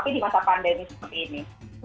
tapi di masa pandemi seperti ini